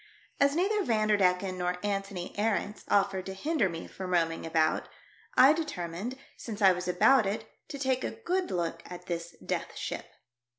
As neither Vanderdecken nor Antony Arents offered to hinder me from roaming about, I determined, since I was about it, to take a good look at this Death Ship.